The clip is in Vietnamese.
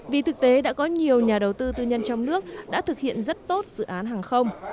vì thực tế đã có nhiều nhà đầu tư tư nhân trong nước đã thực hiện rất tốt dự án hàng không